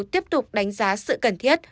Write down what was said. tiếp tục đánh giá sự cần thiết